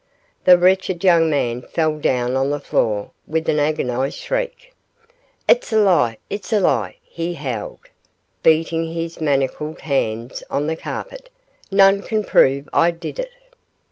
The wretched young man fell down on the floor with an agonised shriek. 'It's a lie it's a lie,' he howled, beating his manacled hands on the carpet, 'none can prove I did it.